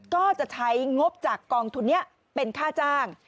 ก็จะใช้งบจากกองทุนนี้เป็นค่าจ้าง